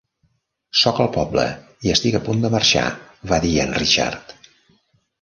"Sóc al poble i estic a punt de marxar", va dir en Richard.